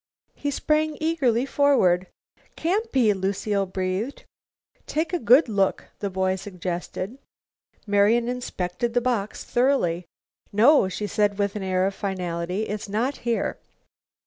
He sprang eagerly forward. "Can't be," Lucile breathed. "Take a good look," the boy suggested. Marian inspected the box thoroughly. "No," she said with an air of finality, "it's not here."